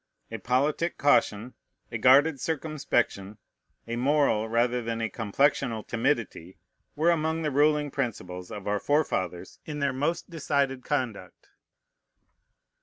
A politic caution, a guarded circumspection, a moral rather than a complexional timidity, were among the ruling principles of our forefathers in their most decided conduct.